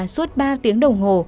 suốt ba tiếng đồng hồ